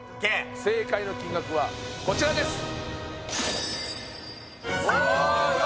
正解の金額はこちらですあーっ！